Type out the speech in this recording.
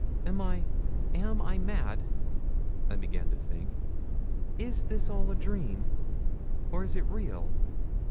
'Am I am I mad?' I began to think. 'Is this all a dream, or is it real?'